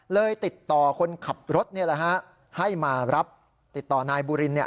เลยติดต่อคนขับรถเนี่ยแหละฮะให้มารับติดต่อนายบูรินเนี่ย